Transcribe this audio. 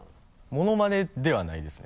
ものまねではないですね。